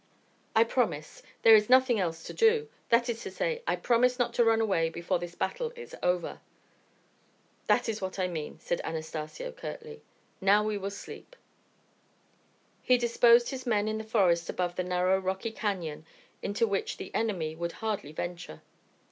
"I promise. There is nothing else to do. That is to say, I promise not to run away before this battle is over." "That is what I mean," said Anastacio, curtly. "Now we will sleep." He disposed his men in the forest above a narrow, rocky canon into which the enemy would hardly venture.